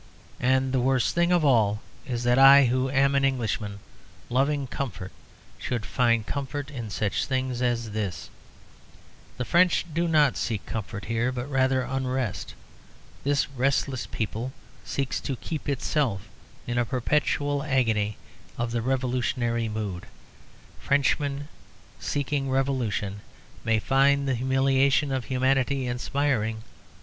And the worst thing of all is that I, who am an Englishman, loving comfort, should find comfort in such things as this. The French do not seek comfort here, but rather unrest. This restless people seeks to keep itself in a perpetual agony of the revolutionary mood. Frenchmen, seeking revolution, may find the humiliation of humanity inspiring.